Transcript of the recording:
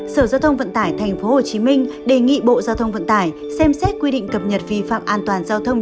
sở giao thông vận tải tp hcm đề nghị bộ giao thông vận tải xem xét quy định cập nhật vi phạm an toàn giao thông